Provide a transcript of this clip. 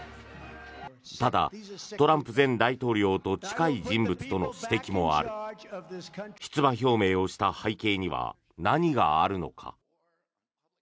ただ、トランプ前大統領と近い人物との指摘もあり出馬表明をした背景には何があるのか。